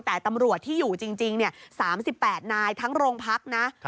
แต่ตำรวจที่อยู่จริง๓๘นายทั้งโรงพักนะ